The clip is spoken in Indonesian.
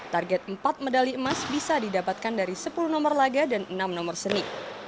target empat medali emas bisa didapatkan dari sepuluh nomor laga dan enam nomor seni